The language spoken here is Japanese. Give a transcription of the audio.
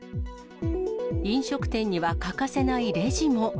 飲食店には欠かせないレジも。